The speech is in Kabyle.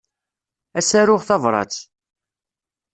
Ad s-aruɣ tabrat.